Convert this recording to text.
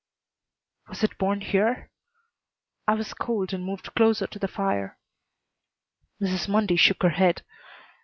"Was it born here?" I was cold and moved closer to the fire. Mrs. Mundy shook her head.